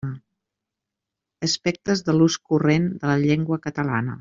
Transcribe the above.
Aspectes de l'ús corrent de la llengua catalana.